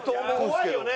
怖いよね。